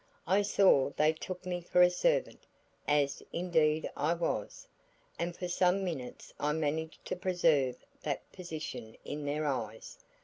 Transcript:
I saw they took me for a servant, as indeed I was, and for some minutes I managed to preserve that position in their eyes.